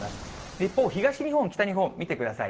一方、東日本、北日本、見てください。